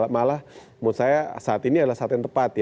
malah menurut saya saat ini adalah saat yang tepat ya